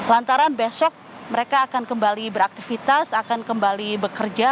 lantaran besok mereka akan kembali beraktivitas akan kembali bekerja